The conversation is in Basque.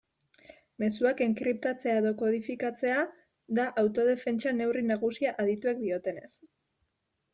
Mezuak enkriptatzea edo kodifikatzea da autodefentsa neurri nagusia adituek diotenez.